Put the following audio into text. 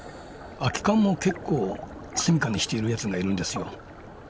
空き缶も結構すみかにしているやつがいるんですよ。